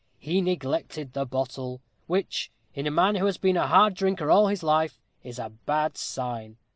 He neglected the bottle, which, in a man who has been a hard drinker all his life, is a bad sign.